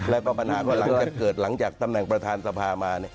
แล้วก็ปัญหาก็หลังจากเกิดหลังจากตำแหน่งประธานสภามา